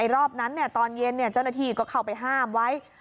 รอบนั้นตอนเย็นเจ้าหน้าที่ก็เข้าไปห้ามไว้